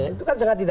itu kan sangat tidak